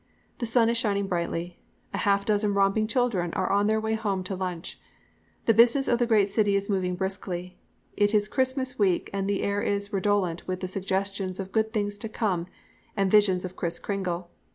The sun is shining brightly. A half dozen romping children are on their way home to lunch. The business of the great city is moving briskly. It is Christmas week and the air is redolent with the suggestions of good things to come and visions of Kriss Kringle.